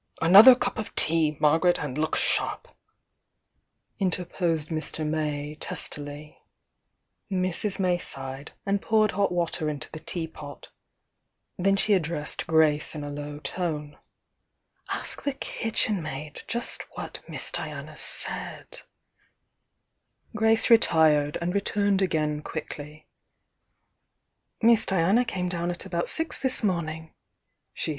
Another cup of tea, Margaret, and look sharp!" mterposed Mr. May, testily. Mrs. May sighed, and poured hot water into the « P^i .u ^"^^ addressed Grace in a low tone Ask the kitcnen maid just what Miss Diana Grace retired, and returned again quickly. 62 THE YOUNG DIANA "Miss Diana came down at about six this morn ing," she sa'i.